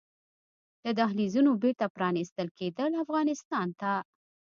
د دهلېزونو بېرته پرانيستل کیدل افغانستان ته